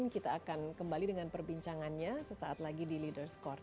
kita akan kembali dengan perbincangannya sesaat lagi di leaders' corner